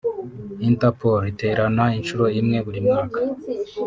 Interpol iterana inshuro imwe buri mwaka